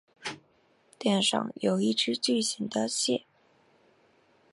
店上有一只巨型的蟹。